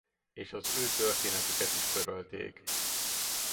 És az ő történetüket is törölték.